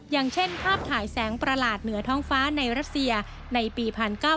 อย่างเช่นภาพถ่ายแสงประหลาดเหนือท้องฟ้าในรัสเซียในปี๑๙๙